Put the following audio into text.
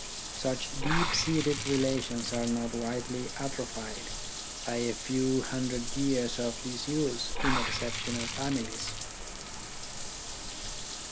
Such deep seated relations are not widely atrophied by a few hundred years of disuse in exceptional families.